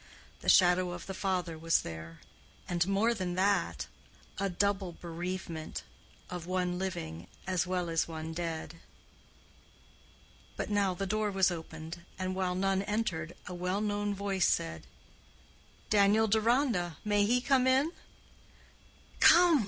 The shadow of the father was there, and more than that, a double bereavement—of one living as well as one dead. But now the door was opened, and while none entered, a well known voice said: "Daniel Deronda—may he come in?" "Come!